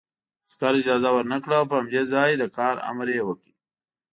عسکر اجازه ورنکړه او په همدې ځای د کار امر یې وکړ